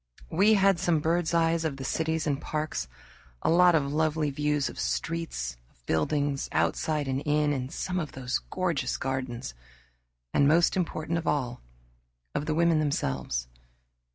We had some bird's eyes of the cities and parks; a lot of lovely views of streets, of buildings, outside and in, and some of those gorgeous gardens, and, most important of all, of the women themselves.